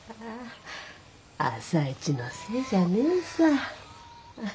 朝市のせいじゃねえさ。